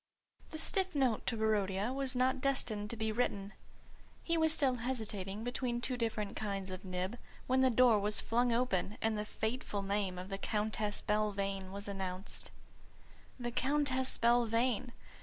The stiff note to Barodia was not destined to be written. He was still hesitating between two different kinds of nib, when the door was flung open and the fateful name of the Countess Belvane was announced. The Countess Belvane!